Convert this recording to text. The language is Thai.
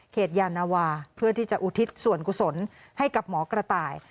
ยานาวาเพื่อที่จะอุทิศส่วนกุศลให้กับหมอกระต่าย